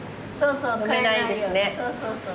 そうそうそう。